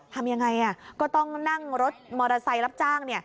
ทำยังไงก็ต้องนั่งรถมอเตอร์ไซค์รับจ้าง